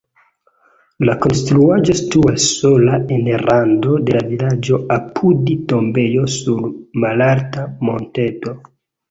La konstruaĵo situas sola en rando de la vilaĝo apud tombejo sur malalta monteto.